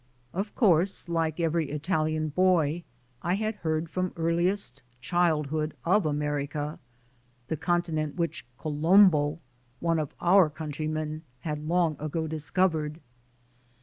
Of course, like every Italian boy, I had heard from earliest childhood of America, the continent which "Colombo," one of our countrymen, had long ago discovered.